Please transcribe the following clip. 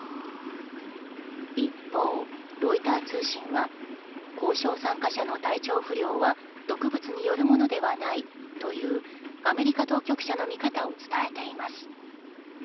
一方、ロイター通信は交渉参加者の体調不良は毒物によるものではないというアメリカ当局者の見方を伝えています。